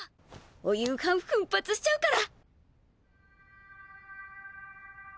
お夕飯ふんぱつしちゃうから！